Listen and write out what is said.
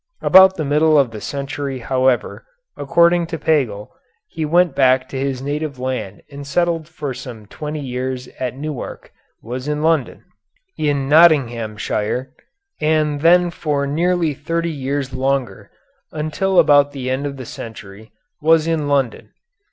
About the middle of the century however, according to Pagel, he went back to his native land and settled for some twenty years at Newark, in Nottinghamshire, and then for nearly thirty years longer, until about the end of the century, was in London.